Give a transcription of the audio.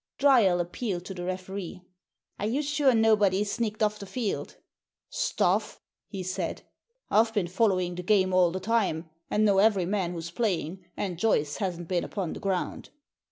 Dryall appealed to the referee. "Are you sure nobody's sneaked off the field ?"" Stuff! " he said. " I've been following the game all the time, and know every man who's playing, and Joyce hasn't been upon the ground."